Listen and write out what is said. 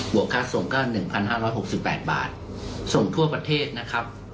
บวกค่าส่งก็หนึ่งพันห้าร้อยหกสิบแปดบาทส่งทั่วประเทศนะครับ